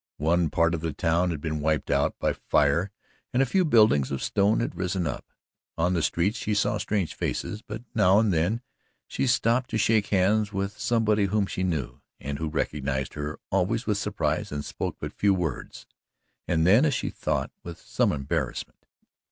One part of the town had been wiped out by fire and a few buildings of stone had risen up. On the street she saw strange faces, but now and then she stopped to shake hands with somebody whom she knew, and who recognized her always with surprise and spoke but few words, and then, as she thought, with some embarrassment.